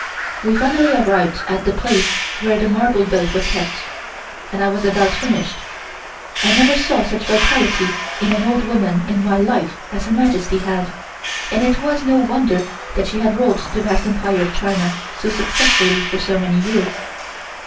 We finally arrived at the place where the marble boat was kept, and I was about finished. I never saw such vitality in an old woman in my life as Her Majesty had, and it was no wonder that she had ruled this vast Empire of China so successfully for so many years.